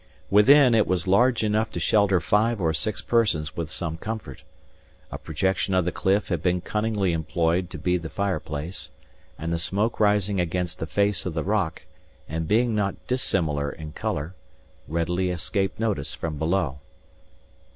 Within, it was large enough to shelter five or six persons with some comfort. A projection of the cliff had been cunningly employed to be the fireplace; and the smoke rising against the face of the rock, and being not dissimilar in colour, readily escaped notice from below.